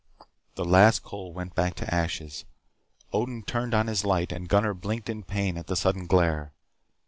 The last coal went back to ashes. Odin turned on his light, and Gunnar blinked in pain at the sudden glare.